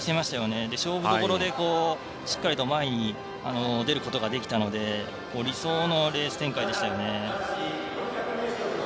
勝負どころでしっかりと前に出ることができたので理想のレース展開でしたね。